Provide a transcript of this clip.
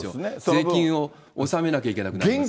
税金を納めなきゃいけなくなりますから。